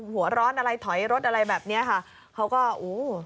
หัวร้อนอะไรถอยรถอะไรแบบเนี้ยค่ะเขาก็อู้